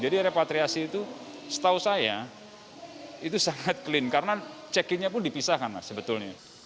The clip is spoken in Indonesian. jadi repatriasi itu setahu saya itu sangat clean karena check in nya pun dipisahkan sebetulnya